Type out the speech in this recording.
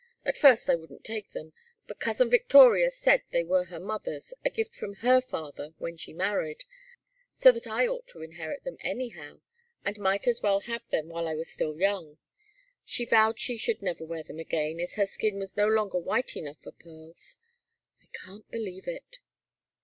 At first I wouldn't take them, but Cousin Victoria said they were her mother's, a gift from her father when she married, so that I ought to inherit them, anyhow; and might as well have them while I was young. She vowed she should never wear them again, as her skin was no longer white enough for pearls. I can't believe it!"